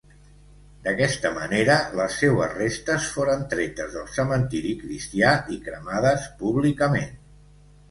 D'aquesta manera, les seues restes foren tretes del cementiri cristià i cremades públicament.